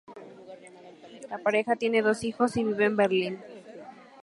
La pareja tiene dos hijos, y vive en Berlín.